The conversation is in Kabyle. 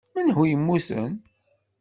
Menhu i yemmuten?